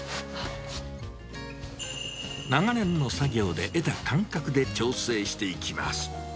長年の作業で得た感覚で調整していきます。